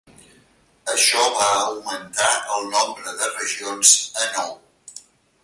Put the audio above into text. Això va augmentar el nombre de regions a nou.